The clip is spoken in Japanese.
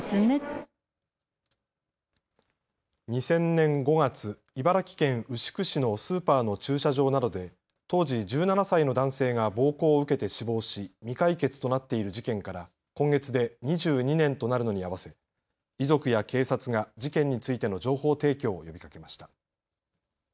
２０００年５月、茨城県牛久市のスーパーの駐車場などで当時１７歳の男性が暴行を受けて死亡し、未解決となっている事件から今月で２２年となるのに合わせ、遺族や警察が事件についての情報提供を呼びかけました。